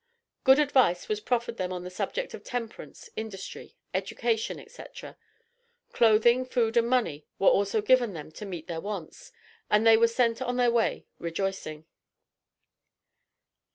Good advice was proffered them on the subject of temperance, industry, education, etc. Clothing, food and money were also given them to meet their wants, and they were sent on their way rejoicing.